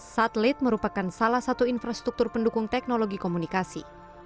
satelit merupakan salah satu infrastruktur pendukung teknologi komunikasi